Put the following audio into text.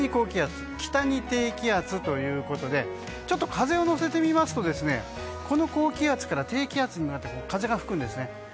南に高気圧北に低気圧ということで風を載せてみますと高気圧から低気圧に向かって風が吹くんですね。